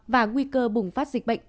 và nguy cơ bùng phát dịch bệnh